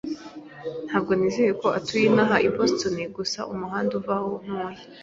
Ntabwo nizera ko utuye hano i Boston gusa umuhanda uva aho ntuye.